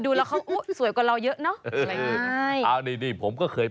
ได้เลยไม่ได้เกณฑ์